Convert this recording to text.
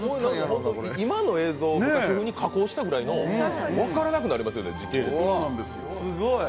今の映像を昔風に加工したくらいの、分からなくなりますよね時系列。